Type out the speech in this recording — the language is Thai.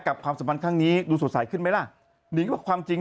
กับความสมัครข้างนี้ดูสดใสขึ้นไหมล่ะนิ่งว่าความจริง